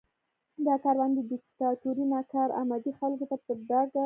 دا کارونه د دیکتاتورۍ ناکارآمدي خلکو ته په ډاګه کوي.